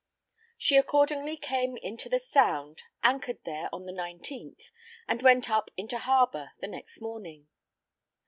She accordingly came into the sound, anchored there on the 19th, and went up into harbor the next morning.